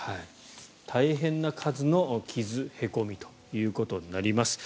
大変な数の傷へこみということになります。